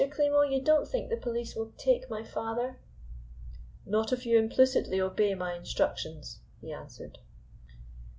Klimo, you don't think the police will take my father?" "Not if you implicitly obey my instructions," he answered.